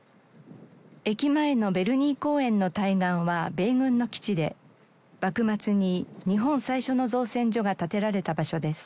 駅前のヴェルニー公園の対岸は米軍の基地で幕末に日本最初の造船所が建てられた場所です。